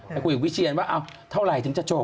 ไปกลุ่มของวิเชียนว่าเอาเท่าไหร่ถึงจะจบ